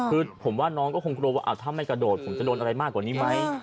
คือผมว่าน้องก็คงกลัวว่าถ้าไม่กระโดดผมจะโดนอะไรมากกว่านี้ไหม